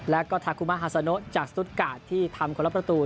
แล้วก็ทาคุมะฮาซาโนจากสตุ๊ดกาดที่ทำคนละประตู